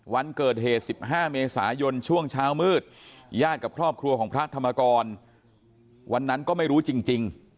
วันเกิดเหตุ๑๕เมษายนช่วงเช้ามืดญาติกับครอบครัวของพระธรรมกรวันนั้นก็ไม่รู้จริง